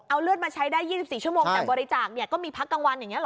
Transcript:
เอาเลือดมาใช้ได้๒๔ชั่วโมงแต่บริจาคเนี่ยก็มีพักกลางวันอย่างนี้หรอ